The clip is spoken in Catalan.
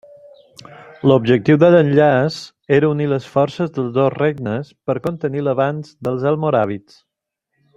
L'objectiu de l'enllaç era unir les forces dels dos regnes per contenir l'avanç dels almoràvits.